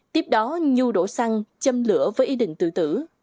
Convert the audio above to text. tiếp đó nhu đổ xăng châm lửa với ý định tự tử